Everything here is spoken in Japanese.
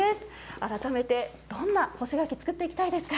改めて、どんな干し柿、作っていきたいですか。